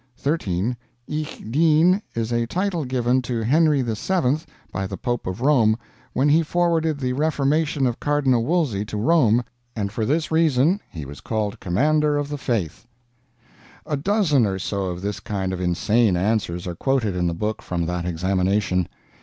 "13. Ich Dien is a title given to Henry VII by the Pope of Rome, when he forwarded the Reformation of Cardinal Wolsy to Rome, and for this reason he was called Commander of the faith." A dozen or so of this kind of insane answers are quoted in the book from that examination.